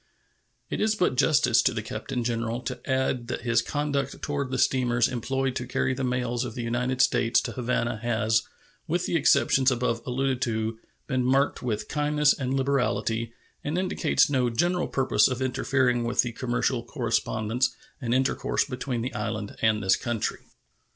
It is but justice to the Captain General to add that his conduct toward the steamers employed to carry the mails of the United States to Havana has, with the exceptions above alluded to, been marked with kindness and liberality, and indicates no general purpose of interfering with the commercial correspondence and intercourse between the island and this country.